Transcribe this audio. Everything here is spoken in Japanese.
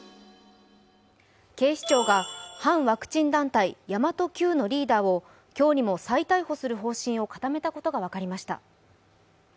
警視庁が反ワクチン団体神真都Ｑのリーダーを今日にも再逮捕する方針を固めたことが分かりました。